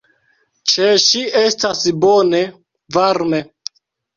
Ĉe ŝi estas bone, varme.